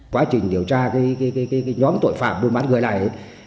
quá trình điều tra cái nhóm tội phạm mua bán người này